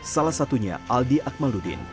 salah satunya aldi akmaluddin